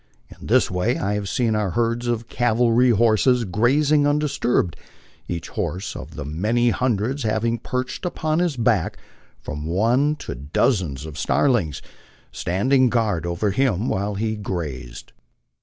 In this way I have seen our herds of cavalry horses grazing undisturbed, each horse of the many hundreds having perched upon his back from one to dozens of starlings, standing guard over him while he grazed.